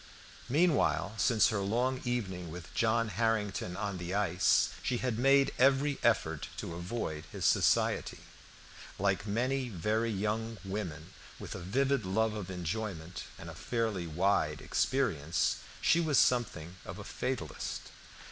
Meanwhile, since her long evening with John Harrington on the ice, she had made every effort to avoid his society. Like many very young women with a vivid love of enjoyment and a fairly wide experience, she was something of a fatalist.